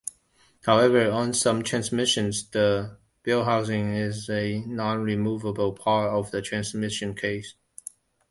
However, on some transmissions, the bellhousing is a nonremovable part of the transmission case.